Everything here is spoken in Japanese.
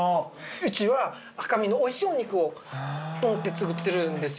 うちは「赤身のおいしいお肉を」と思って作ってるんですよ。